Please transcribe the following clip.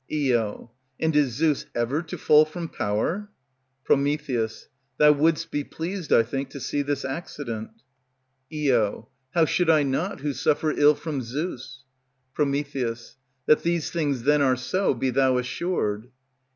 Io. And is Zeus ever to fall from power? Pr. Thou would'st be pleased, I think, to see this accident. Io. How should I not, who suffer ill from Zeus? Pr. That these things then are so, be thou assured.